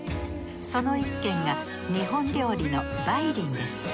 その一軒が日本料理の梅林です。